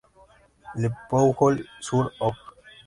Le Poujol-sur-Orb